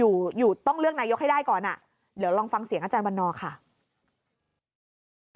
เดี๋ยวเราลองฟังเสียงอาจารย์วันนอคค่ะ